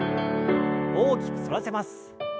大きく反らせます。